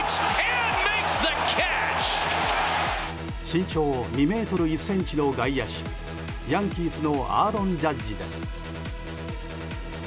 身長２ｍ１ｃｍの外野手ヤンキースのアーロン・ジャッジです。